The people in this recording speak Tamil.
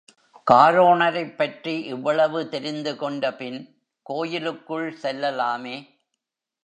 காரோணரைப் பற்றி இவ்வளவு தெரிந்து கொண்ட பின் கோயிலுக்குள் செல்லலாமே.